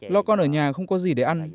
lo con ở nhà không có gì để ăn